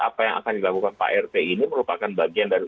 apa yang akan dilakukan pak rt ini merupakan bagian dari